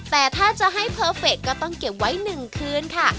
แต่ถ้าจะให้เพอร์เฟคก็ต้องเก็บไว้๑คืนค่ะ